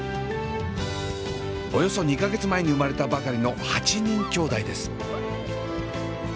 およそ２か月前に生まれたばかりの８人きょうだいです。